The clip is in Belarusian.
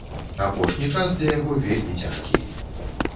Апошні час для яго вельмі цяжкі.